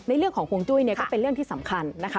เรื่องของห่วงจุ้ยเนี่ยก็เป็นเรื่องที่สำคัญนะคะ